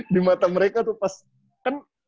di mata mereka tuh pas kan